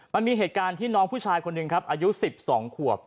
มันมีเหตุการณ์ที่น้องผู้ชายคนหนึ่งครับอายุ๑๒ขวบ